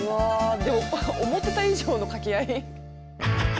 でも思ってた以上のかけ合い。